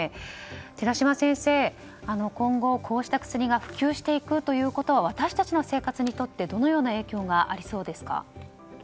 寺嶋先生、今後こうした薬が普及していくことは私たちの生活にとってどのような影響がありそうですか。